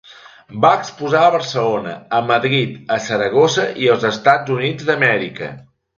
Va exposar a Barcelona, a Madrid, a Saragossa i als Estats Units d'Amèrica.